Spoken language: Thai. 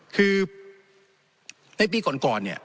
คือในปีก่อนเนี่ย